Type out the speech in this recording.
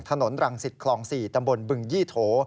ถนนรังสิตคลอง๔ตำบลบึงยี่โถ